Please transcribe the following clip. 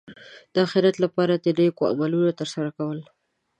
د اخرت لپاره د نېکو عملونو ترسره کول.